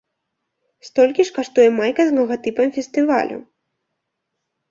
Столькі ж каштуе майка з лагатыпам фестывалю.